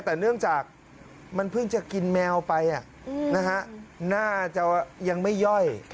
แต่เนื่องจากมันเพิ่งจะกินแมวไปน่าจะยังไม่ย่อย